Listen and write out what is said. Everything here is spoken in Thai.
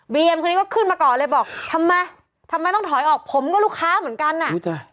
เอมคนนี้ก็ขึ้นมาก่อนเลยบอกทำไมทำไมต้องถอยออกผมก็ลูกค้าเหมือนกันอ่ะรู้จัก